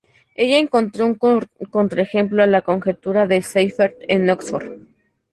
Ella encontró un contraejemplo a la conjetura de Seifert en Oxford.